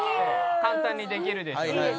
簡単にできるでしょうし。